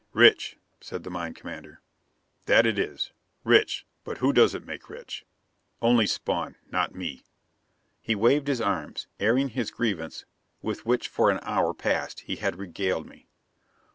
"Rich," said the mine commander. "That it is. Rich. But who does it make rich? Only Spawn, not me." He waved his arms, airing his grievance with which for an hour past he had regaled me.